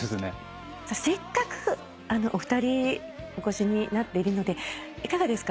せっかくお二人お越しになっているのでいかがですか？